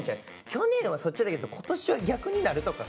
去年はそっちだけど今年は逆になるとかさ。